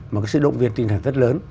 mà cái sự động viên tinh thần rất lớn